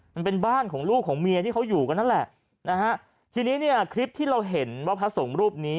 มันเป็นบ้านของลูกของเมียที่เขาอยู่กันนั่นแหละนะฮะทีนี้เนี่ยคลิปที่เราเห็นว่าพระสงฆ์รูปนี้